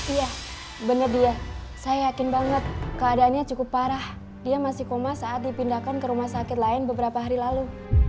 iya benar dia saya yakin banget keadaannya cukup parah dia masih koma saat dipindahkan ke rumah sakit lain beberapa hari lalu